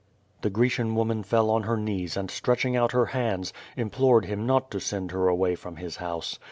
*' The Grecian woman fell on her knees, and stretching out her hands, implored him not to send her away from his house.